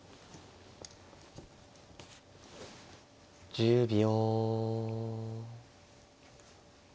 １０秒。